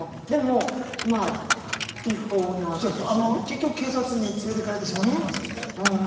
結局警察に連れていかれてしまってますんで。